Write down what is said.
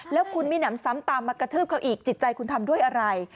แล้วคุณมีหนำซ้ำตามมากระทืบเขาอีกจิตใจคุณทำด้วยอะไร